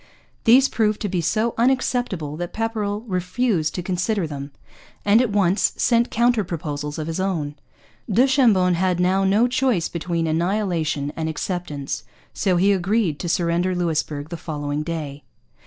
These proved to be so unacceptable that Pepperrell refused to consider them, and at once sent counter proposals of his own. Du Chambon had now no choice between annihilation and acceptance, so he agreed to surrender Louisbourg the following day.